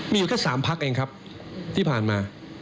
มีอยู่แค่๓พักเองครับที่ผ่านมา